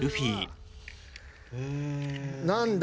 何だ？